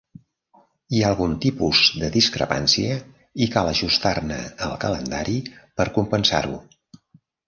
Hi ha algun tipus de discrepància i cal ajustar-ne el calendari per compensar-ho.